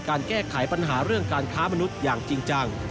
การแก้ไขปัญหาเรื่องการค้ามนุษย์อย่างจริงจัง